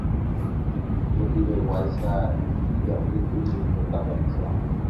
Jepiveguáicha ijatýkuri heta tapicha